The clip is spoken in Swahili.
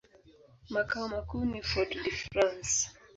Makao makuu ni Fort-de-France.